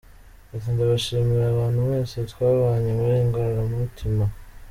Ati "Ndabashimira abantu mwese twabanye muri Inkoramutima.